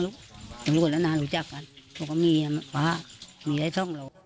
อยู่กันนานรู้จักกันบอกว่ามีฟ้ามีอะไรต้อง